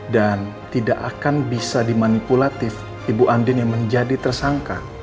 dan tidak akan bisa dimanipulatif ibu andien yang menjadi tersangka